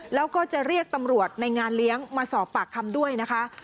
แล้วก็จะเรียกตำรวจในงานเลี้ยงมาสอบปากคำด้วยนะคะ